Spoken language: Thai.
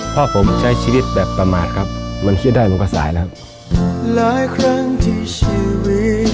พ่อผมใช้ชีวิตแบบประมาทครับมันคิดได้มันก็สายแล้ว